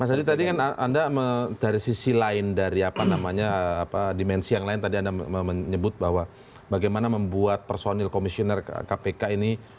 mas adi tadi kan anda dari sisi lain dari apa namanya dimensi yang lain tadi anda menyebut bahwa bagaimana membuat personil komisioner kpk ini